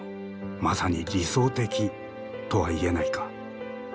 まさに理想的とは言えないか。